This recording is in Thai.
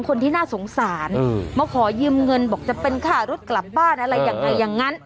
คนที่น่าสงสารมาขอยืมเงินบอกจะเป็นค่ารถกลับบ้านอะไรยังไงอย่างนั้น